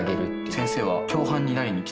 先生は共犯になりにきた。